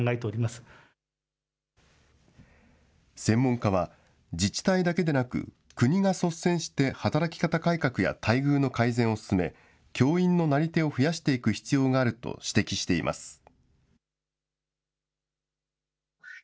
専門家は、自治体だけでなく、国が率先して、働き方改革や待遇の改善を進め、教員のなり手を増やしていく必要があると指摘しています。